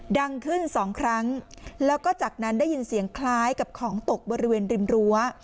ดังขึ้นสองครั้งแล้วก็จากนั้นได้ยินเสียงคล้ายกับของตกบริเวณริมรั้ว